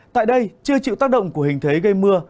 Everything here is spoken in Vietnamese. tại đây chưa chịu tác động của hình thế gây mưa